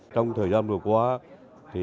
trong thời gian vừa qua thì